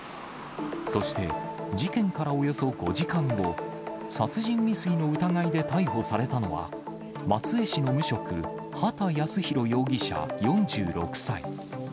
そして、事件からおよそ５時間後、殺人未遂の疑いで逮捕されたのは、松江市の無職、秦やすひろ容疑者４６歳。